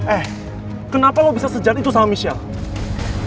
eh kenapa lo bisa sejat itu sama michelle